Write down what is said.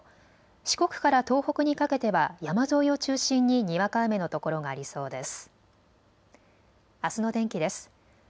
四国から東北にかけては山沿いを中心ににわか雨の所がありそうです。